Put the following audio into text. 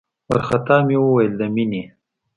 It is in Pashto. وارخطا مې وويل د مينې.